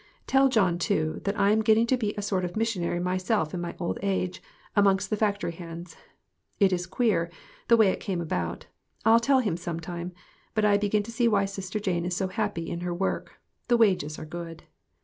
Tell John, too, that I'm getting to be a sort of missionary myself in my old age, amongst the fac tory hands. It is queer, the way it came about. I'll tell him some time. But I begin to see why Sister Jane is so happy in her work; the wages are good.